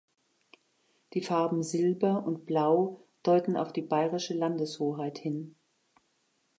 Die Farben Silber und Blau deuten auf die Bayerische Landeshoheit hin.